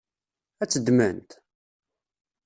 Ad tt-ddment?